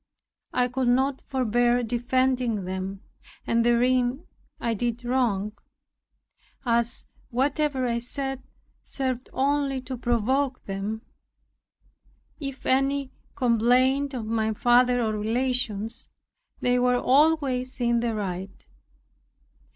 I could not forbear defending them, and therein I did wrong; as whatever I said served only to provoke them. If any complained of my father or relations, they were always in the right.